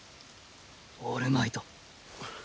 オールマイト。